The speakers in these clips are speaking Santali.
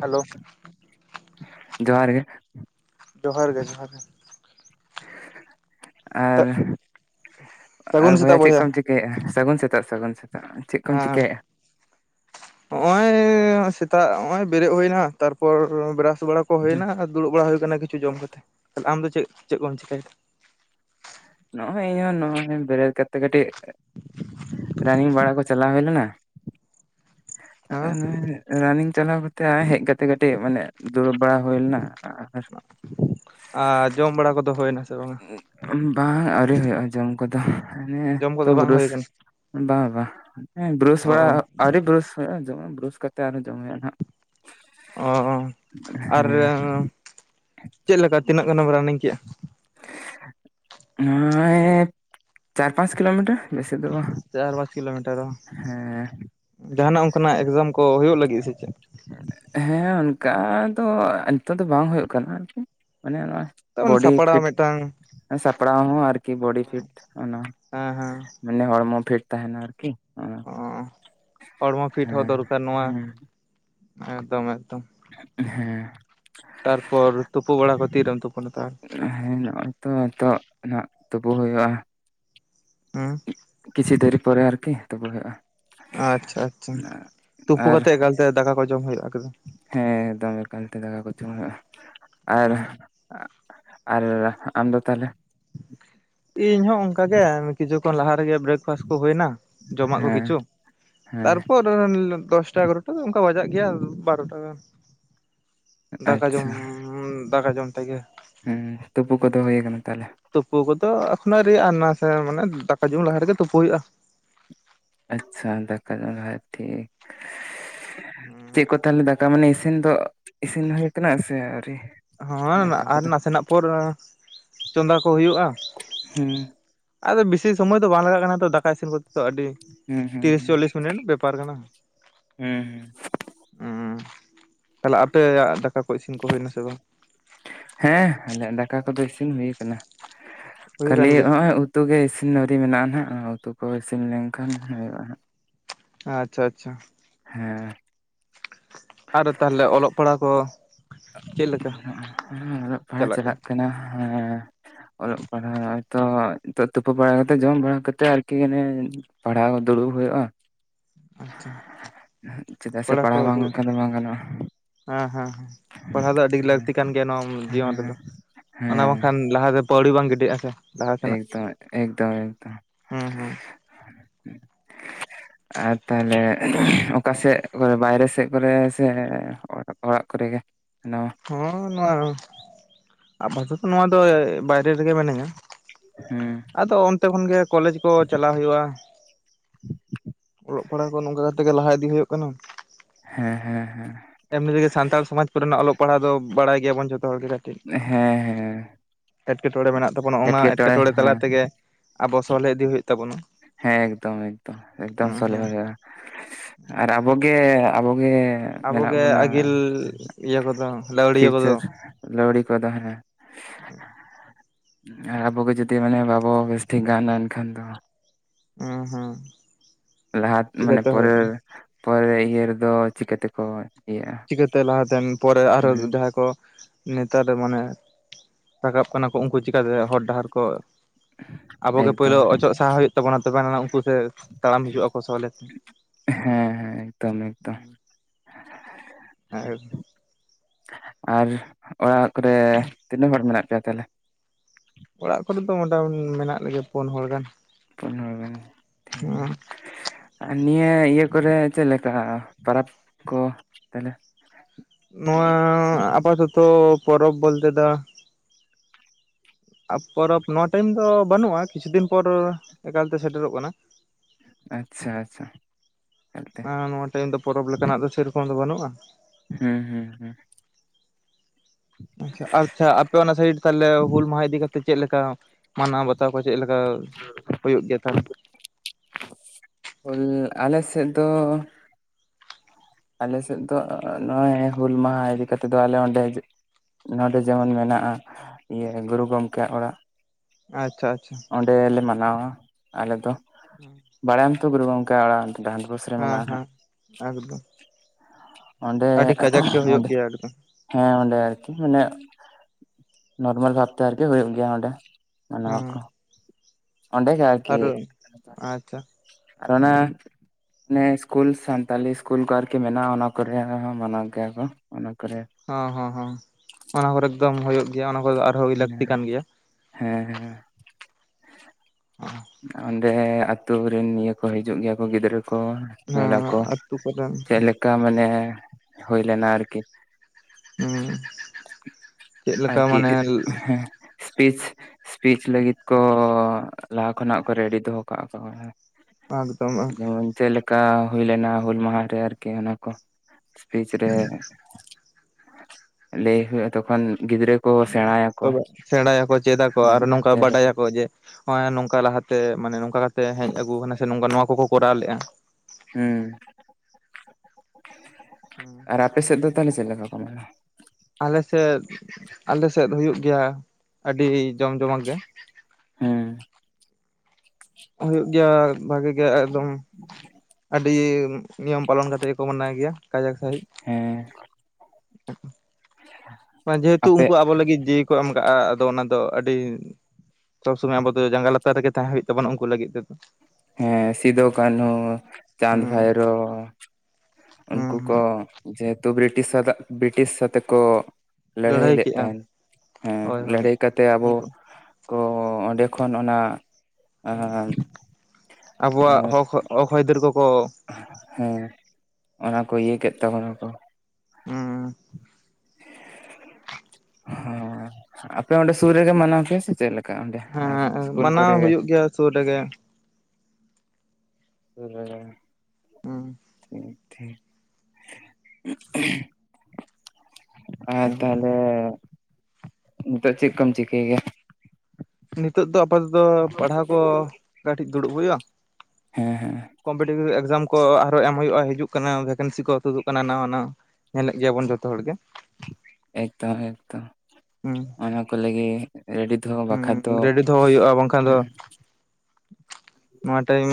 ᱦᱮᱞᱳ, ᱡᱚᱦᱟᱨ ᱜᱮ ᱡᱚᱦᱟᱨ ᱜᱮ ᱡᱚᱦᱟᱨ ᱜᱮ᱾ ᱟᱨ ᱥᱟᱹᱜᱩᱱ ᱟᱨ ᱵᱚᱭᱦᱟ ᱥᱮᱛᱟᱜ ᱪᱮᱫ ᱠᱚᱢ ᱪᱤ ᱠᱟᱭᱮᱜᱼᱟ ᱥᱟᱹᱜᱩᱱ ᱥᱮᱛᱟᱜ ᱥᱟᱹᱜᱩᱱ ᱥᱮᱛᱟᱜ ᱪᱮᱫ ᱠᱚᱢ ᱦᱮᱸ ᱪᱤᱠᱟᱹᱭᱮᱜᱼᱟ? ᱱᱚᱜᱼᱚᱭ ᱥᱮᱛᱟᱜ ᱱᱚᱜ ᱚᱭ ᱵᱮᱨᱮᱫ ᱦᱩᱭ ᱱᱟ, ᱛᱟᱨᱯᱚᱨ ᱵᱮᱨᱟᱥ ᱦᱚᱛᱩᱢ ᱵᱟᱲᱟ ᱠᱚ ᱦᱮᱸ ᱦᱩᱭᱱᱟ ᱟᱨ ᱫᱩᱲᱩᱵ ᱵᱟᱲᱟ ᱦᱩᱭ ᱠᱟᱱᱟ ᱠᱤᱪᱷᱩ ᱡᱚᱢ ᱠᱟᱛᱮ, ᱟᱫᱚ ᱪᱮᱫ, ᱪᱮᱫ ᱠᱚᱢ ᱪᱤᱠᱟᱹᱭᱫᱟ? ᱱᱚᱜᱼᱚᱭ ᱤᱧᱦᱚ ᱱᱚᱜᱚᱭ ᱵᱮᱨᱮᱫ ᱠᱟᱛᱮ ᱠᱟᱹᱴᱤᱡ ᱨᱟᱱᱤᱝ ᱵᱟᱲᱟ ᱠᱚ ᱪᱟᱞᱟᱣ ᱦᱩᱭ ᱞᱮᱱᱟ, ᱦᱮᱸ ᱨᱟᱱᱤᱝ ᱪᱟᱞᱟᱣ ᱠᱟᱛᱮᱜ ᱦᱮᱡ ᱠᱟᱛᱮᱜ ᱠᱟᱹᱴᱤᱡ ᱢᱟᱱᱮ ᱫᱩᱲᱩᱵ ᱵᱟᱲᱟ ᱦᱩᱭ ᱞᱮᱱᱟ, [unintelligible] ᱟᱨ ᱡᱚᱢ ᱵᱟᱲᱟ ᱠᱚᱫᱚ ᱦᱩᱭᱱᱟ ᱥᱮ ᱵᱟᱝᱟ? ᱵᱟᱝ ᱟᱹᱣᱨᱤ ᱦᱩᱭᱩᱜᱼᱟ ᱡᱚᱢ ᱠᱚᱫᱚ ᱦᱟᱱᱮ ᱡᱚᱢ ᱛᱚ ᱠᱚᱫᱚ ᱵᱟᱝ ᱦᱩᱭ ᱵᱮᱨᱟᱹᱥ ᱠᱟᱱᱟ ᱵᱟ ᱵᱟ ᱵᱮᱨᱟᱹᱥ ᱵᱟᱲᱟ ᱚ ᱟᱹᱶᱨᱤ ᱵᱮᱨᱟᱹᱥ ᱦᱩᱭᱩᱜᱼᱟ ᱡᱚᱢᱟ ᱵᱮᱨᱟᱹᱥ ᱠᱟᱛᱮ ᱟᱨᱚ ᱡᱚᱢ ᱦᱩᱭᱩᱜᱼᱟ ᱱᱟᱸᱜ᱾ ᱚ ᱟᱨ ᱦᱮᱸ ᱪᱮᱫ ᱞᱮᱠᱟ ᱛᱤᱱᱟᱹᱜ ᱜᱟᱱᱮᱢ ᱨᱟᱱᱤᱝ ᱠᱮᱜᱼᱟ? ᱱᱚᱭ ᱪᱟᱨ ᱯᱟᱸᱪ ᱠᱤᱞᱳᱢᱤᱴᱟᱨ ᱵᱮᱥᱤ ᱵᱟᱝ᱾ ᱪᱟᱨ ᱯᱟᱸᱪ ᱠᱤᱞᱳᱢᱤᱴᱟᱨ ᱵᱟᱝ? ᱦᱮᱸ᱾ ᱡᱟᱦᱟᱸᱱᱟᱜ ᱚᱝᱠᱟᱱᱟᱜ ᱮᱠᱥᱡᱟᱢ ᱠᱚ ᱦᱩᱭᱩᱜ ᱞᱟᱹᱜᱤᱫ ᱥᱮ ᱪᱮᱫ? ᱦᱮᱸ ᱚᱱᱠᱟ ᱫᱚ ᱱᱤᱛᱚᱜ ᱫᱚ ᱵᱟᱝ ᱦᱩᱭᱩᱜ ᱠᱟᱱᱟ ᱟᱨᱠᱤ, ᱢᱟᱱᱮ ᱱᱚᱣᱟ ᱛᱟᱨᱢᱟᱱᱮ ᱵᱚᱰᱤ ᱥᱟᱯᱲᱟᱣ ᱯᱷᱤᱴ ᱢᱤᱫᱴᱟᱝ ᱥᱟᱯᱲᱟᱣ ᱦᱚᱸ ᱟᱨᱠᱤ ᱵᱚᱰᱤ ᱯᱷᱤᱴ ᱚᱱᱟ ᱦᱮᱸ ᱦᱮᱸ ᱢᱟᱱᱮ ᱦᱚᱲᱢᱚ ᱯᱷᱤᱴ ᱛᱟᱦᱮᱸᱱᱟ ᱟᱨᱠᱤ᱾ ᱚ ᱠᱚ ᱦᱚᱲᱢᱚ ᱯᱷᱤᱴ ᱦᱚᱸ ᱦᱮᱸ ᱫᱚᱨᱠᱟᱨ ᱱᱚᱣᱟ ᱦᱮᱸ ᱮᱠᱫᱚᱢ ᱮᱠᱫᱚᱢ᱾ ᱦᱮᱸ᱾ ᱛᱟᱨᱯᱚᱨ ᱛᱩᱯᱩ ᱵᱟᱲᱟ ᱠᱚ ᱛᱤᱨᱮᱢ ᱛᱩᱯᱩᱱᱟ ᱛᱟᱨ? ᱦᱮᱸ ᱱᱚᱜᱼᱚᱭ ᱛᱚ ᱱᱤᱛᱚᱜ ᱱᱟᱸᱜ ᱛᱩᱯᱩ ᱦᱩᱭᱩᱜᱼᱟ᱾ ᱦᱩᱸ᱾ ᱠᱤᱪᱷᱩ ᱫᱤᱨᱤ ᱯᱚᱨᱮ ᱟᱨᱠᱤ ᱛᱚᱯᱩ ᱦᱩᱭᱩᱜᱼᱟ᱾ ᱟᱪᱪᱷᱟ ᱟᱪᱪᱷᱟ ᱛᱩᱯᱩ ᱟᱨ ᱠᱟᱛᱮᱜ ᱮᱠᱟᱞᱛᱮ ᱫᱟᱠᱟ ᱠᱚ ᱡᱚᱢ ᱦᱩᱭᱩᱜᱼᱟ [unintelligible] ᱦᱮᱸ ᱮᱫᱚᱢ ᱮᱠᱟᱞᱛᱮ ᱫᱟᱠᱟ ᱠᱚ ᱡᱚᱢ ᱦᱩᱭᱩᱜᱼᱟ, ᱟᱨ ᱟᱨ ᱟᱢ ᱫᱚ ᱛᱟᱦᱚᱞᱮ? ᱤᱧ ᱦᱚᱸ ᱚᱝᱠᱟ ᱜᱮ ᱠᱤᱪᱷᱩ ᱠᱷᱚᱱ ᱞᱟᱦᱟ ᱨᱮᱜᱮ ᱵᱨᱮᱠ ᱯᱷᱟᱥ ᱠᱚ ᱦᱳᱭᱱᱟ ᱡᱚᱢᱟᱜ ᱠᱚ ᱦᱮᱸ ᱠᱤᱪᱷᱩ, ᱦᱮᱸ ᱛᱟᱨᱯᱚᱨ [unintelligible] ᱫᱚᱥᱴᱟ ᱮᱜᱟᱨᱚᱴᱟ ᱫᱚ ᱚᱱᱠᱟ ᱵᱟᱡᱟᱜ ᱜᱮᱭᱟ ᱵᱟᱨᱚᱴᱟ ᱜᱟᱱ ᱫᱟᱠᱟ ᱡᱚᱢ ᱟᱪᱪᱷᱟ ᱫᱟᱠᱟ ᱡᱚᱢ ᱛᱮᱜᱮ᱾ ᱦᱮᱸ ᱛᱩᱯᱩ ᱠᱚᱫᱚ ᱦᱩᱭ ᱠᱟᱱᱟ ᱛᱟᱦᱚᱞᱮ? ᱛᱩᱯᱩ ᱠᱚᱫᱚ ᱮᱠᱷᱚᱱᱳ ᱟᱶᱨᱤ ᱱᱟᱥᱮ ᱢᱟᱱᱮ ᱫᱟᱠᱟ ᱡᱚᱢ ᱞᱟᱦᱟ ᱨᱮᱜᱮ ᱛᱩᱯᱳ ᱦᱩᱭᱩᱜᱼᱟ᱾ ᱟᱪᱪᱷᱟ ᱫᱟᱠᱟ ᱡᱚᱢ ᱞᱟᱦᱟ ᱨᱮᱜᱮ ᱴᱷᱤᱠ ᱪᱮᱜ ᱠᱚ ᱛᱟᱦᱚᱞᱮ ᱫᱟᱠᱟ ᱢᱟᱱᱮ ᱤᱥᱤᱱ ᱫᱚ ᱤᱥᱤᱱ ᱦᱩᱭᱩ ᱠᱟᱱᱟ ᱥᱮ ᱟᱹᱣᱨᱤ? ᱦᱚᱸ ᱫᱟᱠᱟ ᱟᱨ ᱠᱚᱫᱚ ᱱᱟᱥᱮᱱᱟᱜ ᱯᱚᱨ ᱪᱚᱸᱫᱟ ᱠᱚ ᱦᱩᱭᱩᱜᱼᱟ᱾ ᱦᱩᱸ ᱟᱫᱚ ᱵᱤᱥᱤ ᱥᱚᱢᱚᱭ ᱫᱚ ᱵᱟᱝ ᱞᱟᱜᱟᱜ ᱠᱟᱱᱟ ᱛᱚ ᱫᱟᱠᱟ ᱤᱥᱤᱱ ᱠᱚ ᱛᱚ ᱟᱹᱰᱤ, ᱦᱩᱸ ᱦᱩᱸ ᱛᱤᱨᱤᱥ ᱦᱩᱸ ᱪᱚᱞᱞᱤᱥ ᱢᱤᱱᱤᱴ ᱵᱮᱯᱟᱨ ᱠᱟᱱᱟ᱾ ᱦᱩᱸ ᱦᱩᱸ ᱩᱸᱻ, ᱛᱟᱦᱚᱞᱮ ᱟᱯᱮᱭᱟᱜ ᱫᱟᱠᱟ ᱠᱚ ᱤᱥᱤᱱ ᱠᱚ ᱦᱩᱭᱱᱟ ᱥᱮ ᱵᱟᱝ? ᱦᱮᱸ ᱟᱞᱮᱭᱟᱜ ᱫᱟᱠᱟ ᱠᱚᱫᱚ ᱤᱥᱤᱱ ᱦᱩᱭ ᱠᱟᱱᱟ, ᱦᱩᱭ ᱠᱷᱟᱹᱞᱤ ᱟᱠᱟᱱ ᱜᱮᱭᱟ ᱦᱚᱸᱜᱼᱚᱭ ᱩ ᱛᱩ ᱜᱮ ᱤᱥᱤᱱ ᱟᱹᱣᱨᱤ ᱢᱮᱱᱟᱜᱼᱟ ᱱᱟᱦᱟᱜ ᱟᱸ ᱩᱛᱩ ᱠᱚ ᱤᱥᱤᱱ ᱞᱮᱱᱠᱷᱟᱱ ᱦᱩᱭᱩᱜᱼᱟ ᱦᱟᱸᱜ᱾ ᱟᱪᱪᱷᱟ ᱟᱪᱪᱷᱟ᱾ ᱦᱮᱸ᱾ ᱟᱨ ᱛᱟᱦᱚᱞᱮ ᱚᱞᱚᱜ ᱯᱟᱲᱦᱟᱜ ᱠᱚ? ᱪᱮᱫ ᱞᱮᱠᱟ ᱦᱩᱸ ᱚᱞᱚᱜ ᱯᱟᱲᱦᱟᱜ ᱪᱟᱞᱟᱜ ᱠᱟᱱᱟ ᱦᱮᱸ᱾ ᱚᱞᱚᱜ ᱯᱟᱲᱦᱟᱜ ᱛᱚ ᱱᱤᱛᱚᱜ ᱛᱩᱯᱩ ᱵᱟᱲᱟ ᱠᱟᱛᱮ ᱡᱚᱢ ᱵᱟᱲᱟ ᱠᱟᱛᱮᱫ ᱟᱨᱠᱤ ᱚᱱᱮ ᱯᱟᱲᱦᱟᱣ ᱠᱟ ᱫᱩᱲᱩᱵ ᱦᱩᱭᱩᱜᱼᱟ᱾ ᱟᱪᱪᱷᱟ ᱪᱮᱫᱟᱜ ᱥᱮ ᱯᱟᱲᱦᱟᱣ ᱠᱚ ᱵᱟᱝ ᱫᱩᱲᱩᱵ ᱞᱮᱱᱠᱷᱟᱱ ᱫᱚ ᱵᱟᱝ ᱜᱟᱱᱚᱜᱼᱟ᱾ ᱦᱮᱸ ᱦᱮᱸ ᱦᱮᱸ, ᱯᱟᱲᱦᱟᱣ ᱫᱚ ᱟᱹᱰᱤ ᱞᱟᱹᱠᱛᱤ ᱠᱟᱱ ᱜᱮᱭᱟ ᱱᱚᱣᱟ ᱡᱤᱭᱚᱱ ᱨᱮᱫᱚ᱾ ᱦᱮᱸ᱾ [unintelligible] ᱵᱟᱝᱠᱷᱟᱱ ᱞᱟᱦᱟ ᱥᱮᱫ ᱯᱟᱹᱣᱲᱤ ᱵᱟᱝ ᱜᱤᱰᱤᱜ-ᱟ ᱥᱮ᱾ ᱞᱟᱦᱟ ᱥᱮᱱᱟᱜ ᱮᱠᱫᱚᱢ ᱮᱠᱫᱚᱢ ᱮᱠᱫᱚᱢ᱾ ᱦᱩᱸ ᱦᱩᱸ ᱟᱨ ᱛᱟᱦᱚᱞᱮ ᱚᱠᱟ ᱥᱮᱜ ᱠᱚᱨᱮ ᱵᱟᱭᱨᱮ ᱥᱮᱜ ᱠᱚᱨᱮ ᱥᱮ ᱟᱲᱟᱜ ᱚᱲᱟᱜ ᱠᱚᱨᱮ ᱜᱮ ᱦᱮᱱᱟᱢᱟ? ᱦᱚᱸ ᱱᱚᱣᱟ, ᱟᱯᱟᱛᱚᱛᱚ ᱱᱚᱣᱟ ᱫᱚ ᱵᱟᱭᱨᱮ ᱨᱮᱜᱮ ᱢᱤᱱᱟᱹᱧᱟ᱾ ᱦᱩᱸ᱾ ᱟᱫᱚ ᱚᱱᱛᱮ ᱠᱷᱚᱱ ᱜᱮ ᱠᱚᱞᱮᱡᱽ ᱠᱚ ᱪᱟᱞᱟᱣ ᱦᱩᱭᱩᱜᱼᱟ, ᱚᱞᱚᱜ ᱯᱟᱲᱦᱟᱜ ᱠᱚ ᱱᱚᱝᱠᱟ ᱠᱟᱛᱮᱜ ᱜᱮ ᱞᱟᱦᱟ ᱤᱫᱤ ᱦᱩᱭᱩᱜ ᱠᱟᱱᱟ᱾ ᱦᱮᱸ ᱦᱮᱸ ᱦᱮᱸ᱾ ᱮᱢᱱᱤ ᱛᱮᱜᱮ ᱥᱟᱱᱛᱟᱲ ᱥᱚᱢᱟᱡ ᱠᱚ ᱨᱮᱱᱟᱜ ᱚᱞᱚᱜ ᱯᱟᱲᱦᱟᱣ ᱫᱚ ᱵᱟᱲᱟᱭ ᱜᱮᱭᱟ ᱵᱚᱱ ᱡᱷᱚᱛᱚ ᱦᱚᱲ ᱜᱮ ᱠᱟᱹᱴᱤᱡ, ᱦᱮᱸ ᱦᱮᱸ᱾ ᱮᱴᱠᱮᱴᱚᱬᱮ ᱢᱮᱱᱟᱜ ᱛᱟᱵᱚᱱᱟ ᱚᱱᱟ ᱮᱴᱠᱮᱴᱚᱬᱮ ᱛᱟᱞᱟ ᱛᱮᱜᱮ, ᱟᱵᱚ ᱥᱚᱞᱦᱮ ᱤᱫᱤ ᱦᱩᱭᱩᱜ ᱛᱟᱵᱚᱱᱟ᱾ ᱦᱮᱸ ᱮᱠᱫᱚᱢ ᱮᱠᱫᱚᱢ, ᱮᱠᱫᱚᱢ ᱦᱩᱸ ᱥᱚᱦᱞᱮ ᱦᱩᱸ ᱦᱩᱭᱩᱜᱼᱟ᱾ ᱟᱨ ᱟᱵᱚ ᱜᱮ ᱟᱵᱚ ᱜᱮ ᱟᱵᱚ ᱜᱮ ᱟᱹᱜᱤᱞ ᱤᱭᱟᱹ ᱠᱚᱫᱚ ᱞᱟᱹᱣᱲᱤᱭᱟᱹ ᱠᱚᱫᱚ᱾ ᱯᱷᱤᱭᱩᱪᱟᱨ ᱞᱟᱹᱣᱲᱤ ᱠᱚᱫᱚ ᱦᱮᱸ ᱾ ᱟᱵᱚ ᱜᱮ ᱡᱩᱫᱤ ᱢᱟᱱᱮ ᱵᱟᱵᱚ ᱵᱮᱥ ᱴᱷᱤᱠ ᱜᱟᱱᱟ, ᱮᱱᱠᱷᱟᱱ ᱫᱚ ᱩᱸ ᱦᱩᱸ᱾ ᱞᱟᱦᱟ ᱢᱟᱱᱮ ᱪᱤᱠᱟᱹᱛᱮ ᱯᱚᱨᱮᱨ ᱯᱚᱨᱮ ᱤᱭᱟᱹ ᱨᱮᱫᱚ ᱪᱤᱠᱟᱹ ᱛᱮᱠᱚ ᱤᱭᱟᱹᱜᱼᱟ ᱪᱤᱠᱟᱹᱛᱮ ᱞᱟᱦᱟ ᱛᱮᱢ ᱯᱚᱨᱮ ᱦᱩᱸ ᱟᱨᱦᱚᱸ ᱡᱟᱦᱟᱸᱭ ᱠᱚ ᱱᱮᱛᱟᱨ ᱨᱮ ᱢᱟᱱᱮ ᱨᱟᱠᱟᱵ ᱠᱟᱱᱟ ᱩᱝᱠᱩ ᱪᱤᱠᱟᱹᱛᱮ ᱦᱚᱨ ᱰᱟᱦᱟᱨ ᱠᱚ ᱟᱵᱚᱜᱮ ᱮᱠᱫᱚᱢ ᱯᱳᱭᱞᱳ ᱚᱪᱚᱜ ᱥᱟᱦᱟᱭ ᱛᱟᱵᱚᱱᱟ ᱛᱚᱵᱮ ᱱᱟ ᱩᱝᱠᱩ ᱥᱮᱫ ᱛᱟᱲᱟᱢ ᱦᱤᱡᱩᱜ ᱟᱠᱚ ᱥᱚᱦᱞᱮ ᱛᱮ᱾ ᱦᱮᱸ ᱦᱮᱸ ᱮᱠᱫᱚᱢ ᱮᱠᱫᱚᱢ᱾ ᱟᱨ ᱟᱨ ᱚᱲᱟᱜ ᱠᱚᱨᱮ ᱛᱤᱱᱟᱹᱜ ᱦᱚᱲ ᱢᱮᱱᱟᱜ ᱯᱮᱭᱟ ᱛᱟᱦᱞᱮ? ᱚᱲᱟᱜ ᱠᱚᱨᱮ ᱫᱚ ᱢᱳᱴᱟᱢᱩᱴᱤ ᱢᱮᱱᱟᱜ ᱞᱮᱜᱮᱭᱟ ᱯᱩᱱ ᱦᱚᱲ ᱜᱟᱱ᱾ [inaudible] ᱱᱤᱭᱟᱹ ᱤᱭᱟᱹ ᱠᱚᱨᱮ ᱪᱮᱫ ᱞᱮᱠᱟ ᱯᱟᱨᱟᱵᱽ ᱠᱚ ᱛᱟᱦᱞᱮ ᱱᱚᱣᱟ ᱟᱯᱟᱛᱚᱛᱚ ᱯᱚᱨᱚᱵᱽ ᱵᱚᱞᱛᱮ ᱫᱚ ᱟ ᱯᱚᱨᱚᱵᱽ ᱱᱚᱣᱟ ᱴᱟᱭᱤᱢ ᱫᱚ ᱵᱟᱹᱱᱩᱜᱼᱟ, ᱠᱤᱪᱷᱩ ᱫᱤᱱ ᱯᱚᱨ ᱮᱠᱟᱞᱛᱮ ᱥᱮᱴᱮᱨᱚᱜ ᱠᱟᱱᱟ᱾ ᱟᱪᱪᱷᱟ ᱟᱪᱪᱷᱟ᱾ ᱮᱱᱛᱮ ᱟ ᱱᱚᱣᱟ ᱴᱟᱭᱤᱢ ᱫᱚ ᱯᱚᱨᱚᱵᱽ ᱞᱮᱠᱟᱱᱟᱜ ᱫᱚ ᱥᱮᱨᱚᱠᱚᱢ ᱫᱚ ᱵᱟᱹᱱᱩᱜᱼᱟ? ᱦᱩᱸ ᱦᱩᱸ ᱦᱩᱸ᱾ ᱟᱪᱪᱷᱟ, ᱟᱪᱪᱷᱟ ᱟᱯᱮ ᱚᱱᱟ ᱥᱟᱭᱤᱰ ᱛᱟᱦᱚᱞᱮ ᱦᱩᱞ ᱢᱟᱦᱟ ᱤᱫᱤ ᱠᱟᱛᱮᱫ ᱪᱮᱫ ᱞᱮᱠᱟ, ᱢᱟᱱᱟᱣ ᱵᱟᱛᱟᱣ ᱠᱚ ᱪᱮᱫ ᱞᱮᱠᱟ ᱦᱩᱭᱩᱜ ᱜᱮ ᱛᱟᱦᱮᱸᱱ? ᱦᱩᱞ ᱟᱞᱮ ᱥᱮᱫ ᱫᱚ ᱟᱞᱮ ᱥᱮᱫ ᱫᱚ ᱱᱚᱜᱼᱚᱭ ᱦᱩᱞ ᱢᱟᱦᱟ ᱤᱫᱤ ᱠᱟᱛᱮᱫ ᱫᱚ ᱟᱞᱮ ᱚᱸᱰᱮ ᱡᱮ ᱱᱚᱸᱰᱮ ᱡᱮᱢᱚᱱ ᱢᱮᱱᱟᱜᱼᱟ, ᱤᱭᱟᱹ ᱜᱩᱨᱩ ᱜᱚᱝᱠᱮᱭᱟᱜ ᱚᱲᱟᱜ, ᱟᱪᱪᱷᱟ ᱟᱪᱪᱷᱟ᱾ ᱚᱸᱰᱮᱞᱮ ᱢᱟᱱᱟᱣᱟ ᱟᱞᱮ ᱫᱚ, ᱵᱟᱲᱟᱭᱟᱢ ᱛᱚ ᱜᱩᱨᱩ ᱜᱚᱝᱠᱮᱭᱟᱜ ᱚᱲᱟᱜ ᱰᱟᱱᱰᱵᱚᱥ ᱨᱮ ᱦᱮᱸ ᱢᱮᱱᱟᱜᱼᱟ ᱦᱮᱸ ᱮᱠᱫᱚᱢ ᱦᱟᱸᱜ᱾ ᱚᱸᱰᱮ ᱟᱹᱰᱤ ᱠᱟᱡᱟᱠ ᱜᱮ ᱦᱩᱭᱩᱜ ᱚᱸᱰᱮ ᱜᱮᱭᱟ ᱮᱠᱫᱚᱢ ᱦᱮᱸ ᱚᱸᱰᱮ ᱟᱨᱠᱤ ᱢᱟᱱᱮ, ᱱᱚᱨᱢᱟᱞ ᱵᱷᱟᱵ ᱛᱮ ᱟᱨᱠᱤ ᱦᱩᱭᱩᱜ ᱜᱮᱭᱟ ᱚᱸᱰᱮ᱾ ᱚᱱᱟ ᱦᱮᱸ ᱠᱚ᱾ ᱚᱰᱮ ᱜᱮ ᱟᱨᱠᱤ, ᱟᱨ ᱟᱪᱪᱷᱟ [inaudible] ᱟᱫᱚ ᱚᱱᱟ ᱚᱱᱮ ᱤᱥᱠᱩᱞ ᱥᱟᱱᱛᱟᱞᱤ ᱤᱥᱠᱩᱞ ᱠᱚ ᱟᱨᱠᱤ ᱢᱮᱱᱟᱜᱼᱟ ᱚᱱᱟ ᱠᱚᱨᱮ ᱦᱚᱸ ᱢᱟᱱᱟᱣ ᱜᱮᱭᱟ ᱠᱚ᱾ ᱚᱱᱟ ᱠᱚᱨᱮ ᱦᱚᱸ ᱦᱚᱸ ᱦᱚᱸ ᱚᱱᱟ ᱠᱚᱨᱮ ᱮᱠᱫᱚᱢ ᱦᱩᱭᱩᱜ ᱜᱮᱭᱟ ᱚᱱᱟ ᱠᱚᱫᱚ ᱟᱨ ᱦᱮᱸ ᱦᱮᱸ ᱦᱮᱸ [inaudible] ᱚᱸᱰᱮ ᱟᱹᱛᱩ ᱨᱮᱱ ᱱᱤᱭᱟᱹ ᱠᱚ ᱦᱤᱡᱩᱜ ᱜᱮᱭᱟ ᱠᱚ ᱜᱤᱫᱽᱨᱟᱹ ᱠᱚ᱾ ᱦᱮᱸ ᱧᱮᱞᱟ ᱠᱚ ᱟᱹᱛᱩ ᱠᱚᱨᱮᱱ ᱪᱮᱫ ᱞᱮᱠᱟ ᱢᱟᱱᱮ ᱦᱩᱭ ᱞᱮᱱᱟ ᱟᱨᱠᱤ ᱩᱸ ᱪᱮᱫ ᱞᱮᱠᱟ ᱟᱨᱠᱤ ᱢᱟᱱᱮ ᱦᱮᱸ ᱥᱯᱤᱪ ᱥᱯᱤᱪ ᱞᱟᱹᱜᱤᱫ ᱠᱚ ᱞᱟᱦᱟ ᱠᱷᱚᱱᱟᱜ ᱠᱚ ᱨᱮᱰᱤ ᱫᱚᱦᱚ ᱠᱟᱜ-ᱟ ᱠᱚ᱾ ᱟᱠᱫᱚᱢ ᱟ ᱡᱮᱢᱚᱱ ᱪᱮᱫ ᱞᱮᱠᱟ ᱦᱩᱭ ᱞᱮᱱᱟ, ᱦᱩᱞ ᱢᱟᱦᱟ ᱨᱮ ᱟᱨᱠᱤ ᱚᱱᱟ ᱠᱚ, ᱥᱯᱤᱪ ᱨᱮ ᱞᱟᱹᱭ ᱦᱩᱭᱩᱜᱼᱟ ᱛᱚᱠᱷᱚᱱ ᱜᱤᱫᱽᱨᱟᱹ ᱠᱚ ᱥᱮᱬᱟᱭᱟᱠᱚ ᱛᱚᱵᱮ ᱥᱮᱬᱟᱭᱟᱠᱚ ᱪᱮᱫᱟ ᱠᱚ ᱦᱮᱸ ᱟᱨ ᱦᱚᱸ ᱱᱚᱝᱠᱟ ᱪᱮᱫ ᱞᱮᱠᱟ ᱵᱟᱰᱟᱭᱟᱠᱚ ᱡᱮ ᱦᱚᱸᱜᱼᱚᱭ ᱱᱚᱝᱠᱟ ᱞᱟᱦᱟᱛᱮ ᱢᱟᱱᱮ ᱱᱚᱝᱠᱟ ᱠᱟᱛᱮ ᱦᱮᱡ ᱟᱹᱜᱩ ᱟᱠᱟᱱᱟ ᱥᱮ ᱱᱚᱝᱠᱟ ᱱᱚᱣᱟ ᱠᱚᱠᱚ ᱠᱚᱨᱟᱣ ᱞᱮᱜᱼᱟ᱾ ᱦᱩᱸ, ᱟᱨ ᱟᱯᱮ ᱥᱮᱫ ᱫᱚ ᱛᱟᱦᱚᱞᱮ ᱪᱮᱫ ᱞᱮᱠᱟ ᱠᱚ ᱢᱟᱱᱟᱣ? ᱟᱞᱮᱥᱮᱫ ᱟᱞᱮᱥᱮᱫ ᱦᱩᱭᱩᱜ ᱜᱮᱭᱟ ᱟᱹᱰᱤ ᱡᱚᱢ ᱡᱚᱢᱟ ᱜᱮ᱾ ᱦᱮᱸ ᱦᱳᱭᱳᱜ ᱜᱮᱭᱟ ᱵᱷᱟᱜᱮ ᱜᱮ ᱮᱠᱫᱚᱢ᱾ ᱟᱹᱰᱤ ᱱᱤᱭᱚᱢ ᱯᱟᱞᱚᱱ ᱠᱟᱛᱮᱫ ᱜᱮᱠᱚ ᱢᱟᱱᱟᱣᱭ ᱜᱮᱭᱟ, ᱠᱟᱡᱟᱠ ᱥᱟᱹᱦᱤᱡ᱾ ᱦᱮᱸ [inaudible] [unintelligible] ᱵᱟᱝ ᱡᱮᱦᱮᱛᱩ ᱟᱯᱮ ᱩᱱᱠᱩ ᱟᱵᱚ ᱞᱟᱹᱜᱤᱫ ᱡᱤᱣᱤ ᱠᱚ ᱮᱢ ᱠᱟᱜᱼᱟ, ᱟᱫᱚ ᱚᱱᱟ ᱫᱚ ᱟᱹᱰᱤ ᱥᱚᱵ ᱥᱚᱢᱚᱭ ᱟᱵᱚ ᱫᱚ ᱡᱟᱸᱜᱟ ᱞᱟᱛᱟᱨ ᱨᱮᱜᱮ ᱛᱟᱦᱮ ᱦᱩᱭᱩᱜ ᱛᱟᱵᱱᱟ, ᱩᱱᱠᱩ ᱞᱟᱹᱜᱤᱫ ᱛᱮᱫᱚ᱾ ᱦᱮᱸ ᱥᱤᱫᱩ ᱠᱟᱹᱱᱦᱩ ᱪᱟᱸᱫᱽ ᱦᱩᱸ ᱵᱷᱟᱭᱨᱳ ᱦᱩᱸ ᱩᱱᱠᱩ ᱦᱩᱸ ᱠᱚ ᱡᱮᱦᱮᱛᱩ ᱵᱨᱤᱴᱤᱥ ᱥᱟᱫᱟ, ᱵᱨᱤᱴᱤᱥ ᱥᱟᱛᱮ ᱠᱚ ᱞᱟᱹᱲᱦᱟᱹᱭ ᱞᱮᱫ ᱛᱟᱦᱮᱸᱱ᱾ ᱦᱮᱸ ᱦᱳᱭ ᱦᱳᱭ ᱞᱟᱹᱲᱦᱟᱹᱭ ᱠᱟᱛᱮᱜ ᱟᱵᱚ ᱩᱱᱠᱩ ᱠᱚ ᱚᱸᱰᱮ ᱠᱷᱚᱱ ᱚᱱᱟ ᱮᱸ ᱟᱵᱚᱣᱟᱜ ᱮᱸ ᱦᱚᱠ ᱚᱠ ᱟᱹᱭᱫᱟᱹᱨ ᱠᱚᱠᱚ ᱦᱮᱸ ᱚᱱᱟ ᱠᱚ ᱤᱭᱟᱹ ᱠᱮᱫ ᱛᱟᱵᱚᱱᱟ ᱠᱚ᱾ ᱮᱸ ᱟᱯᱮ ᱚᱸᱰᱮ ᱥᱩᱨ ᱨᱮᱜᱮ ᱢᱟᱱᱟᱣ ᱯᱮᱭᱟ ᱥᱮ ᱪᱮᱫ ᱞᱮᱠ ᱦᱮᱸ ᱢᱟᱱᱟᱣ ᱦᱩᱭᱩᱜ ᱜᱮᱭᱟ ᱥᱩᱨ ᱨᱮᱜᱮ᱾ [unintelligible] [unintelligible] ᱟᱨ ᱛᱟᱦᱚᱞᱮ, ᱱᱤᱛᱚᱜ ᱪᱮᱫ ᱠᱚᱢ ᱪᱤᱠᱟᱹᱭ ᱜᱮᱭᱟ? ᱱᱤᱛᱚᱜ ᱫᱚ ᱟᱯᱟᱛᱚᱛᱚ ᱯᱟᱲᱦᱟᱣ ᱠᱚ ᱠᱟᱹᱴᱤᱡ ᱫᱩᱲᱩᱵ ᱦᱩᱭᱩᱜᱼᱟ᱾ ᱦᱮᱸ ᱦᱮᱸ ᱠᱚᱢᱯᱤᱴᱤᱴᱤᱵᱷ ᱮᱠᱡᱟᱢ ᱠᱚ ᱟᱨᱦᱚᱸ ᱮᱢ ᱦᱩᱭᱩᱜᱼᱟ, ᱦᱤᱡᱩᱜ ᱠᱟᱱᱟ ᱵᱷᱮᱠᱮᱱᱥᱤ ᱠᱚ ᱛᱩᱫᱩᱜ ᱠᱟᱱᱟ ᱱᱟᱣᱟ ᱱᱟᱣᱟ᱾ ᱧᱮᱞᱮᱫ ᱜᱮᱭᱟ ᱵᱚᱱ ᱡᱚᱛᱚ ᱦᱚᱲ ᱜᱮ᱾ ᱮᱠᱫᱚᱢ ᱮᱠᱫᱚᱢ᱾ ᱦᱩᱸ ᱚᱱᱟ ᱠᱚ ᱞᱟᱹᱜᱤᱫ ᱨᱮᱰᱤ ᱫᱚᱦᱚ ᱵᱟᱠᱷᱟᱡ ᱫᱚ ᱨᱮᱰᱤ ᱫᱚᱦᱚ ᱦᱩᱭᱩᱜᱼᱟ ᱵᱟᱝᱠᱷᱟᱱ ᱫᱚ ᱱᱚᱣᱟ ᱴᱟᱭᱤᱢ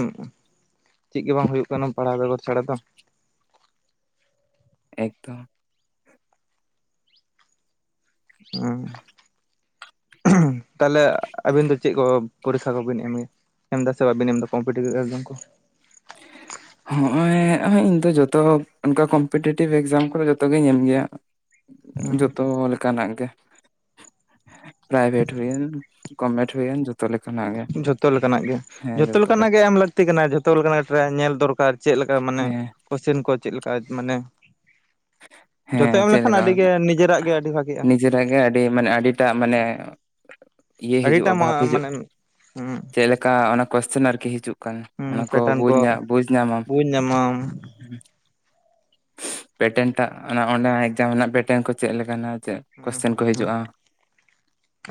ᱪᱤᱜ ᱜᱤ ᱵᱟᱝ ᱦᱩᱭᱩᱜ ᱠᱟᱱᱟ ᱯᱟᱲᱦᱟᱣ ᱵᱮᱜᱚᱨ ᱪᱷᱟᱲᱟ ᱫᱚ᱾ ᱮᱠᱫᱚᱢ᱾ ᱚᱸ ᱛᱟᱦᱚᱞᱮ ᱟᱹᱵᱤᱱ ᱫᱚ ᱪᱮᱜ ᱠᱚ ᱯᱚᱨᱤᱠᱷᱟ ᱠᱚᱵᱤᱱ ᱮᱢᱮᱭᱟ? ᱮᱢ ᱫᱟᱥᱮ ᱵᱟᱹᱵᱤᱱ ᱮᱢ ᱫᱟ ᱠᱚᱢᱯᱤᱴᱤᱵᱽ ᱮᱠᱡᱟᱢ ᱠᱚ? ᱦᱚᱸᱜᱼᱚᱭ ᱤᱧ ᱫᱚ ᱡᱚᱛᱚ ᱚᱱᱠᱟ ᱠᱚᱢᱯᱤᱴᱤᱮᱴᱤᱵᱷ ᱮᱠᱡᱟᱢ ᱠᱚ ᱡᱚᱛᱚ ᱜᱤᱧ ᱮᱢ ᱜᱮᱭᱟ᱾ ᱦᱩᱸ ᱡᱚᱛᱚ ᱞᱮ ᱠᱟᱱᱟᱜ ᱜᱮ ᱯᱨᱟᱭᱵᱷᱮᱴ ᱦᱩᱭᱮᱱ ᱜᱚᱵᱷᱢᱮᱱᱴ ᱦᱩᱭᱮᱱ ᱡᱚ ᱛᱚ ᱞᱮᱠᱟᱱᱟ ᱜᱮ ᱡᱷᱚᱛᱚ ᱞᱮᱠᱟᱱᱟᱜ ᱜᱮ, ᱦᱮᱸ ᱡᱷᱚᱛᱚ ᱡᱚᱛᱚ ᱞᱮᱠᱟᱱᱟᱜ ᱞᱮᱠᱟ ᱜᱮ ᱮᱢ ᱞᱟᱹᱠᱛᱤ ᱠᱟᱱᱟ ᱡᱷᱚᱛᱚ ᱞᱮᱠᱟᱱᱟᱜ ᱴᱮᱨᱟᱭ ᱧᱮᱞ ᱫᱚᱨᱠᱟᱨ᱾ ᱪᱮᱫ ᱞᱮᱠᱟ ᱢᱟᱱᱮ ᱦᱮᱸ ᱠᱚᱳᱥᱪᱮᱱ ᱠᱚ ᱪᱮᱫ ᱞᱮᱠᱟ ᱢᱟᱱᱮ ᱦᱮᱸ ᱡᱚᱛᱚ ᱮᱢ ᱪᱮᱫ ᱞᱮᱠᱷᱟᱱ ᱞᱮᱠᱟ ᱟᱹᱰᱤᱜᱮ ᱱᱤᱡᱮᱨᱟᱜ ᱜᱮ ᱟᱹᱰᱤ ᱵᱷᱟᱜᱤᱜᱼᱟ ᱱᱤᱡᱮᱨᱟᱜ ᱜᱮ ᱟᱹᱰᱤ ᱢᱟᱱᱮ ᱟᱹᱰᱤᱴᱟᱜ ᱢᱟᱱᱮ ᱤᱭᱟᱹ ᱦᱤᱡᱩᱜᱼᱟ ᱟᱹᱰᱤᱴᱟᱜ ᱵᱷᱟᱵ ᱦᱤᱡᱩᱜ ᱢᱟᱱᱮ ᱪᱮᱫᱞᱮᱠᱟ ᱚᱱᱟ ᱠᱚᱥᱪᱮᱱ ᱟᱨᱠᱤ ᱦᱤᱡᱩᱜ ᱠᱟᱱᱟ ᱚᱱᱟᱠᱚ ᱯᱮᱴᱟᱨᱱ ᱠᱚᱡ ᱠᱚ ᱧᱟ ᱵᱩᱡ ᱧᱟᱢᱟᱢ᱾ ᱵᱩᱡᱽ ᱧᱟᱢᱟᱢ ᱯᱮᱴᱮᱱᱴᱟᱜ ᱚᱱᱟ ᱚᱱᱟ ᱮᱠᱡᱟᱢ ᱨᱮᱱᱟᱜ ᱯᱮᱴᱮᱱᱴ ᱠᱚ ᱪᱮᱫ ᱞᱮᱠᱟᱱᱟ ᱪᱮᱫ ᱦᱩᱸ ᱠᱚᱥᱪᱮᱱ ᱦᱩᱸ ᱠᱚ ᱦᱩᱸ ᱦᱤᱡᱩᱜᱼᱟ,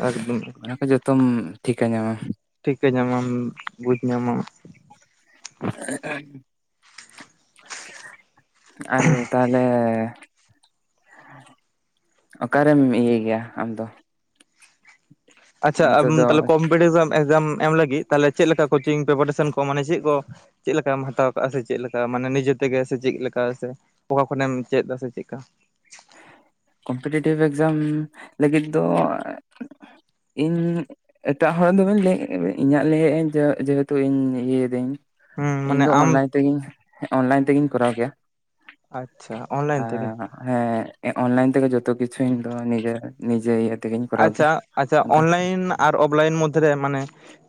ᱮᱠᱫᱚᱢ ᱚᱱᱟ ᱮᱠᱫᱚᱢ ᱠᱚ ᱡᱚᱛᱚᱢ ᱴᱷᱤᱠᱟ ᱧᱟᱢᱟ᱾ ᱴᱷᱤᱠᱟᱹ ᱧᱟᱢᱟᱢ ᱵᱩᱡ ᱧᱟᱢᱟᱢ᱾ ᱟᱨ ᱛᱟᱦᱚᱞᱮ ᱦᱮᱸ᱾ ᱚᱠᱟᱨᱮᱢ ᱤᱭᱟᱹᱭ ᱜᱮᱭᱟ ᱟᱢ ᱫᱚ? ᱟᱪᱷᱟ ᱟᱢ ᱱᱤᱛᱚᱜ ᱫᱚ ᱛᱟᱦᱚᱞᱮ ᱠᱚᱢᱯᱤᱴᱤᱥᱢ ᱮᱠᱥᱡᱟᱢ ᱮᱢ ᱞᱟᱹᱜᱤᱫ ᱛᱟᱦᱚᱞᱮ ᱪᱮᱫ ᱞᱮᱠᱟ ᱠᱳᱪᱤᱝ ᱯᱮᱯᱟᱴᱮᱥᱚᱱ ᱠᱚ ᱢᱟᱱᱮ ᱪᱮᱫ ᱠᱚ ᱪᱮᱫ ᱞᱮᱠᱟᱢ ᱦᱟᱛᱟᱣ ᱠᱟᱜᱼᱟ ᱥᱮ ᱪᱮᱫ ᱞᱮᱠᱟ ᱢᱟᱱᱮ ᱱᱤᱡᱮ ᱛᱮᱜᱮ ᱥᱮ ᱪᱮᱫ ᱞᱮᱠᱟ ᱥᱮ ᱚᱠᱟ ᱠᱷᱚᱱᱮᱢ ᱪᱮᱜ ᱫᱟ ᱥᱮ ᱪᱮᱫᱠᱟ? ᱠᱚᱢᱯᱤᱴᱤᱮᱴᱤᱵᱷ ᱮᱠᱡᱟᱢ ᱞᱟᱹᱜᱤᱫ ᱫᱚ ᱤᱧ ᱮᱴᱟᱜ ᱦᱚᱲ ᱫᱚᱵᱮᱱ ᱞᱟᱹᱭᱮ ᱤᱧᱟᱹᱜ ᱞᱟᱹᱭᱮᱫ ᱤᱧ ᱡᱮ ᱡᱮᱦᱮᱛᱩ ᱤᱧ ᱤᱭᱟᱹᱭ ᱫᱟᱹᱧ᱾ ᱦᱩᱸ ᱤᱧ ᱢᱟᱱᱮ ᱫᱚ ᱟᱢ ᱚᱱᱞᱟᱭᱤᱱ ᱛᱮᱜᱮᱧ ᱚᱱᱞᱟᱭᱤᱱ ᱛᱮᱜᱤᱧ ᱠᱚᱨᱟᱣ ᱜᱮᱭᱟ᱾ ᱟᱪᱪᱷᱟ ᱚᱱᱞᱟᱭᱤᱱ ᱟ ᱛᱮᱜᱮ ᱦᱮᱸ ᱚᱱᱞᱟᱭᱤᱱ ᱛᱮᱜᱮ ᱡᱷᱚᱛᱚ ᱠᱤᱪᱷᱩ ᱤᱧ ᱫᱚ ᱱᱤᱡᱮᱨ ᱱᱤᱡᱮ ᱤᱭᱟᱹ ᱛᱮᱜᱮᱧ ᱠᱚᱨᱟᱣ ᱜᱮᱭᱟ ᱟᱪᱪᱷᱟ ᱟᱪᱪᱷᱟ ᱚᱝᱠᱟ᱾ ᱚᱱᱞᱟᱭᱤᱱ ᱟᱨ ᱚᱯᱷᱞᱟᱭᱤᱱ ᱢᱚᱫᱫᱷᱮᱨᱮ ᱢᱟᱱᱮ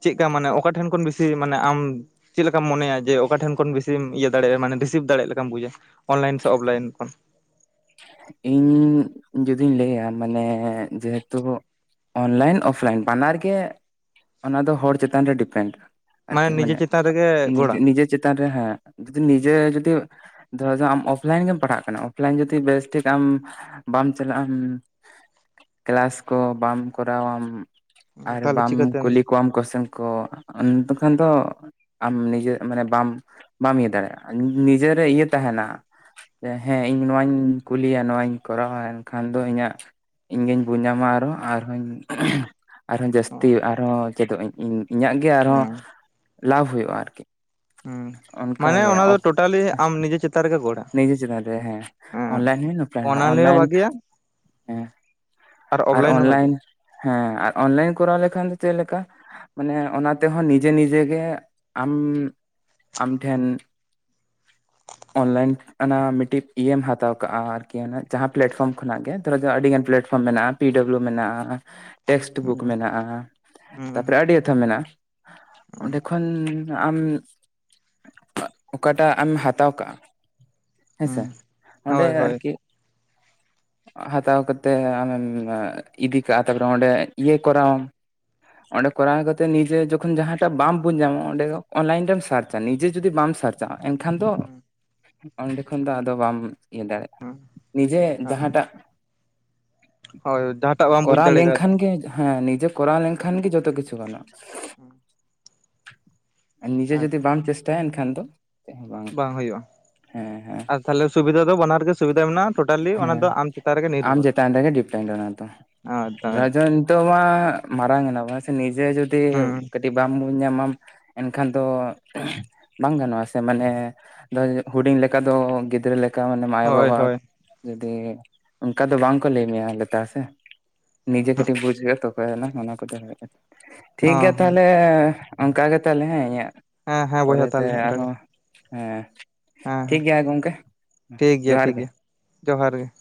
ᱪᱮᱫ ᱠᱟ ᱢᱟᱱᱮ ᱚᱠᱟ ᱴᱷᱮᱱ ᱠᱷᱚᱱ ᱵᱮᱥᱤ ᱢᱟᱱᱮ ᱟᱢ ᱪᱮᱫ ᱞᱮᱠᱟᱢ ᱢᱚᱱᱮᱭᱟ ᱡᱮ ᱚᱠᱟ ᱴᱷᱮᱱ ᱠᱷᱚᱱ ᱵᱤᱥᱤᱢ ᱤᱭᱟᱹ ᱫᱟᱲᱮᱭᱟᱜᱼᱟ ᱢᱟᱱᱮ ᱨᱤᱥᱤᱵᱷ ᱫᱟᱲᱮᱜ ᱞᱮᱠᱟᱢ ᱵᱩᱡᱟ? ᱚᱱᱞᱟᱭᱤᱱ ᱥᱮ ᱚᱯᱷᱞᱟᱭᱤᱱ ᱠᱷᱚᱱ? ᱤᱧ ᱤᱧ ᱡᱩᱫᱤᱧ ᱞᱮᱹᱭᱟ ᱢᱟᱱᱮ ᱡᱮᱦᱮᱛᱩ ᱚᱱᱞᱟᱭᱤᱱ ᱚᱯᱷᱞᱟᱭᱤᱱ ᱵᱟᱱᱟᱨ ᱜᱮ ᱚᱱᱟ ᱫᱚ ᱦᱚᱲ ᱪᱮᱛᱟᱱ ᱨᱮ ᱰᱤᱯᱮᱱᱰ᱾ ᱟᱨᱠᱤ ᱱᱤᱡᱮ ᱢᱟᱱᱮ ᱪᱮᱛᱟᱱ ᱨᱮᱜᱮ ᱱᱤᱡᱮ ᱜᱚᱲᱟ ᱱᱤᱡᱮ ᱪᱮᱛᱟᱱ ᱨᱮ ᱦᱟᱸᱜ ᱡᱩᱫᱤ ᱱᱤᱡᱮ ᱡᱩᱫᱤ ᱫᱷᱚᱨᱚ ᱟᱢ ᱚᱯᱞᱟᱭᱤᱱ ᱜᱮᱢ ᱯᱟᱲᱦᱟᱜ ᱠᱟᱱᱟ ᱚᱯᱞᱟᱭᱤᱱ ᱡᱩᱚᱫᱤ ᱵᱮᱥ ᱴᱷᱤᱠ ᱟᱢ ᱵᱟᱢ ᱪᱟᱞᱟᱜ ᱟᱢ ᱠᱮᱞᱟᱥ ᱠᱚ ᱵᱟᱢ ᱠᱚᱨᱟᱣᱟᱢ ᱟᱨ ᱛᱟᱦᱚᱞᱮ ᱵᱟᱢ ᱪᱤᱠᱟᱹᱛᱮᱢ ᱦᱮᱸ ᱠᱩᱞᱤ ᱠᱚᱣᱟᱢ ᱠᱚᱥᱪᱮᱱ ᱠᱚ ᱛᱚᱠᱷᱚᱱ ᱫᱚ ᱟᱢ ᱱᱤᱡᱮ ᱢᱟᱱᱮ ᱵᱟᱢ ᱵᱟᱢ ᱤᱭᱟᱹ ᱫᱟᱲᱮᱭᱟᱜᱼᱟ ᱱᱤᱡᱮᱨᱮ ᱤᱭᱟᱹ ᱛᱟᱦᱮᱸᱱᱟ᱾ ᱦᱮᱸ ᱤᱧ ᱱᱚᱣᱟᱧ ᱠᱩᱞᱤᱭᱟ ᱱᱚᱣᱟᱧ ᱠᱚᱨᱟᱣᱟ ᱮᱱᱠᱷᱟᱱ ᱫᱚ ᱤᱧᱟᱹᱜ ᱤᱧᱜᱤᱧ ᱵᱩᱡᱟᱢᱟ ᱟᱨᱚ ᱟᱨᱦᱚᱧ ᱟᱨᱦᱚᱸ ᱡᱟᱹᱥᱛᱤ ᱟᱨᱦᱚᱸ ᱪᱮᱫᱚᱜ ᱟᱹᱧ ᱤᱧᱟᱹᱜ ᱜᱮ ᱟᱨᱦᱚᱸ ᱞᱟᱵᱷ ᱦᱩᱭᱩᱜᱼᱟ ᱟᱨᱠᱤ᱾ ᱦᱩᱸ ᱢᱟᱱᱮ ᱚᱱᱠᱟᱜᱮ ᱚᱱᱟ ᱫᱚ ᱴᱳᱴᱟᱞᱤ ᱟᱢ ᱱᱤᱡᱮ ᱪᱮᱛᱟᱱ ᱨᱮᱜᱮ ᱜᱚ ᱱᱤᱡᱮ ᱪᱮᱛᱟᱱ ᱨᱮ ᱦᱮᱸ ᱚᱱᱞᱟᱭᱤᱱ ᱦᱩᱭ ᱚᱯᱷᱞᱟᱭᱤᱱ ᱦᱮᱸ ᱦᱚᱸ ᱚᱱᱞᱟᱭᱤᱱ ᱵᱷᱟᱜᱮᱭᱟ ᱦᱮᱸ᱾ ᱟᱨ ᱚᱯᱷᱞᱟᱭᱤᱱ ᱦᱚᱸ ᱵᱷᱟᱜᱮᱭᱟ ᱚᱱᱞᱟᱭᱤᱱ ᱦᱮᱸ ᱟᱨ ᱚᱱᱞᱟᱭᱤᱱ ᱠᱚᱨᱟᱣ ᱞᱮᱠᱷᱟᱱ ᱫᱚ ᱪᱮᱫ ᱞᱮᱠᱟ ᱢᱟᱱᱮ ᱚᱱᱟ ᱛᱮᱦᱚᱸ ᱱᱤᱡᱮ ᱱᱤᱡᱮ ᱜᱮ ᱟᱢ ᱟᱢ ᱴᱷᱮᱱ ᱚᱱᱞᱟᱭᱤᱱ ᱚᱱᱟ ᱢᱤᱫᱴᱤᱡ ᱤᱭᱟᱹᱢ ᱦᱟᱛᱟᱣ ᱠᱟᱜᱼᱟ ᱟᱨᱠᱤ ᱚᱱᱟ ᱡᱟᱦᱟᱸ ᱯᱮᱞᱟᱴᱯᱷᱚᱨᱚᱢ ᱠᱷᱚᱱᱟᱜ ᱜᱮ ᱛᱷᱚᱲᱟ ᱡᱚᱦᱚᱫ ᱟᱹᱰᱤ ᱜᱟᱱ ᱯᱞᱟᱴᱯᱷᱚᱨᱚᱢ ᱢᱮᱱᱟᱜᱼᱟ, ᱯᱤ ᱰᱟᱵᱞᱩ ᱢᱮᱱᱟᱜᱼᱟ, ᱴᱮᱥᱴ ᱵᱩᱠ ᱢᱮᱱᱟᱜᱼᱟ, ᱛᱟᱯᱚᱨᱮ ᱟᱹᱰᱤ ᱟᱹᱛᱷᱟᱹᱱ ᱢᱮᱱᱟᱜᱼᱟ ᱚᱸᱰᱮ ᱠᱷᱚᱱ ᱟᱢ ᱚᱠᱟᱴᱟᱜ ᱟᱢ ᱦᱟᱛᱟᱣ ᱠᱟᱜᱼᱟ ᱦᱮᱸᱥᱮ ᱚᱸᱰᱮ ᱦᱳᱭ ᱦᱳᱭ ᱟᱨᱠᱤ ᱦᱟᱛᱟᱣ ᱠᱟᱛᱮᱜ ᱟᱢᱮᱢ ᱤᱫᱤ ᱠᱟᱜ-ᱟ ᱛᱟᱯᱚᱨᱮ ᱚᱸᱰᱮ ᱤᱭᱟᱹ ᱠᱚᱨᱟᱣᱟᱢ ᱚᱸᱰᱮ ᱠᱚᱨᱟᱣ ᱠᱟᱛᱮ ᱱᱤᱡᱮ ᱡᱚᱠᱷᱚᱱ ᱡᱟᱦᱟᱸᱴᱟᱜ ᱵᱟᱢ ᱧᱟᱢᱟ ᱚᱸᱰᱮ ᱚᱱᱞᱟᱭᱤᱱ ᱨᱮᱢ ᱥᱟᱨᱪᱟ ᱱᱤᱡᱮ ᱡᱩᱫᱤ ᱵᱟᱢ ᱥᱟᱨᱪᱟᱼᱼ ᱮᱱᱠᱷᱟᱱ ᱫᱚ ᱚᱸᱰᱮ ᱠᱷᱚᱱ ᱫᱚ ᱟᱫᱚ ᱵᱟᱢ ᱤᱭᱟᱹ ᱫᱟᱲᱮᱭᱟᱜᱼᱟ᱾ ᱱᱤᱡᱮ ᱡᱟᱦᱟᱸᱴᱟᱜ ᱦᱳᱭ ᱡᱟᱦᱟᱸᱴᱟᱜ ᱵᱟᱢ ᱵᱩᱡᱽ ᱠᱚᱨᱟᱣ ᱫᱟᱲᱮ ᱠᱟᱣᱫᱟ ᱞᱮᱱᱠᱷᱟᱱ ᱜᱮ ᱦᱮᱸ ᱱᱤᱡᱮ ᱠᱚᱨᱟᱣ ᱞᱮᱱᱠᱷᱟᱱ ᱜᱮ ᱡᱚᱛᱚ ᱠᱤᱪᱷᱩ ᱜᱟᱱᱚᱜᱼᱟ᱾ [inaudible] ᱱᱤᱡᱮ ᱡᱩᱫᱤ ᱟᱪᱪᱷᱟ ᱵᱟᱢ ᱪᱮᱥᱴᱟᱭᱟ ᱮᱱᱠᱷᱟᱱ ᱫᱚ ᱪᱮᱫ ᱦᱚᱸ ᱵᱟᱝ ᱦᱩᱭᱩᱜᱼᱟ ᱦᱮᱸ ᱦᱮᱸ ᱟᱨ ᱛᱟᱦᱚᱞᱮ ᱥᱩᱵᱤᱫᱟ ᱫᱚ ᱵᱟᱱᱟᱨᱜᱮ ᱥᱩᱵᱤᱫᱟ ᱢᱮᱱᱟᱜᱼᱟ᱾ ᱴᱳᱴᱟᱞᱤ ᱚᱱᱟ ᱦᱮᱸ ᱫᱚ ᱟᱢ ᱪᱮᱛᱟᱱ ᱨᱮᱜᱮ ᱟᱢ ᱱᱤᱨᱵᱷᱚᱨ ᱪᱮᱛᱟᱱ ᱨᱮᱜᱮ ᱰᱤᱯᱮᱱᱰ ᱚᱱᱟ ᱫᱚ ᱱᱤᱛᱚᱜ ᱢᱟ ᱢᱟᱨᱟᱝ ᱮᱱᱟ ᱵᱟᱝ ᱥᱮ ᱱᱤᱡᱮ ᱦᱮᱸ ᱡᱚᱫᱤᱼᱼ ᱵᱟᱢ ᱵᱩᱡ ᱧᱟᱢᱟᱢ ᱮᱱᱠᱷᱟᱱ ᱫᱚ ᱵᱟᱝ ᱜᱟᱱᱚᱜᱼᱟ ᱥᱮ ᱢᱟᱱᱮᱼᱼ ᱟᱫᱚ ᱦᱩᱰᱤᱧ ᱞᱮᱠᱟ ᱫᱚ ᱜᱤᱫᱽᱨᱟᱹ ᱞᱮᱠᱟ ᱢᱟᱱᱮ ᱦᱳᱭ ᱢᱟᱭᱳᱼᱵᱟᱵᱟ ᱦᱳᱭ ᱡᱩᱫᱤ ᱚᱱᱠᱟ ᱫᱚ ᱵᱟᱝ ᱠᱚ ᱞᱟᱹᱭ ᱢᱮᱭᱟ ᱞᱮᱛᱟ ᱥᱮ ᱱᱤᱡᱮ ᱦᱚᱸ ᱠᱟᱹᱴᱤᱡ ᱵᱩᱡ ᱦᱩᱭᱩᱜᱼᱟ ᱛᱚᱼᱼ ᱚᱱᱟ ᱠᱚᱫᱚ ᱴᱷᱤᱠ ᱜᱮᱭᱟ ᱦᱚᱸ ᱛᱟᱦᱚᱞᱮ ᱚᱱᱠᱟ ᱜᱮᱮ ᱛᱟᱦᱚᱞᱮ ᱦᱮᱸ ᱤᱧᱟᱹᱜᱼᱼ ᱦᱮᱸ ᱦᱮᱸ ᱵᱚᱭᱦᱟ ᱯᱚᱨᱮᱛᱮ ᱛᱟᱦᱚᱞᱮ ᱚᱱᱠᱟ ᱜᱮ ᱟᱨᱦᱚᱸ ᱦᱮᱸᱼᱼ ᱦᱮᱸ ᱦᱮᱸ ᱴᱷᱤᱠᱜᱮᱭᱟ ᱜᱚᱝᱠᱮ ᱴᱷᱤᱠ ᱜᱮᱭᱟ ᱡᱚᱦᱟᱨ ᱴᱷᱤᱠ ᱜᱮᱼᱼ ᱜᱮᱭᱟ ᱡᱚᱦᱟᱨ ᱜᱮᱼᱼ